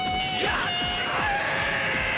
やっちまえ！